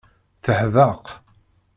Teḥdeq.